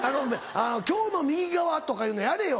「今日の右側」とかいうのやれよ。